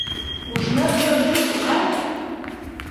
— Ужнет гын, тушко кае.